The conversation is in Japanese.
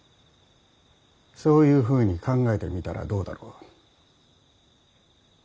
そういうふうに考えてみたらどうだろう。